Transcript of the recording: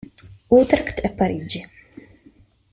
Utrecht e Parigi.